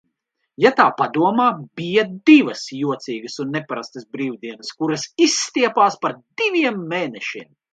Ja tā padomā, bija divas jocīgas un neparastas brīvdienas, kuras izstiepās par diviem mēnešiem.